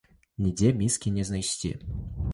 Нідзе міскі не знайсці.